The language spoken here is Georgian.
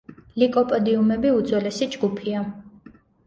ლიკოპოდიუმები უძველესი ჯგუფია.